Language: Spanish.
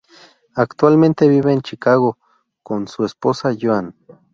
Actualmente vive en Chicago con su esposa Joan.